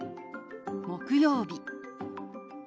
「木曜日」。